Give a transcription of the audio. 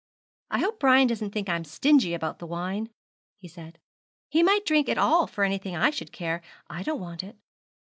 'I hope Brian doesn't think I'm stingy about the wine,' he said; 'he might drink it all for anything I should care. I don't want it.'